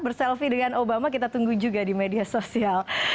berselfie dengan obama kita tunggu juga di media sosial